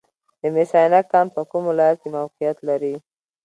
د مس عینک کان په کوم ولایت کې موقعیت لري؟